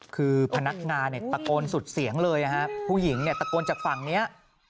คือพนักงานตะโกนสุดเสียงเลยผู้หญิงตะโกนจากฝั่งนี้